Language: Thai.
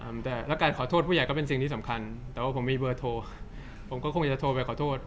แต่แล้วการขอโทษผู้ใหญ่ก็เป็นสิ่งที่สำคัญแต่ว่าผมมีเบอร์โทรผมก็คงอยากจะโทรไปขอโทษ